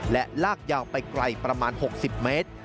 และลากยาวไปไกลประมาณ๖๐เมตร